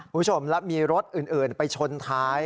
คุณผู้ชมแล้วมีรถอื่นไปชนท้าย